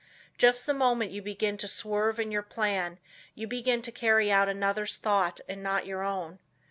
Just the moment you begin to swerve in your plan you begin to carry out another's thought and not your own.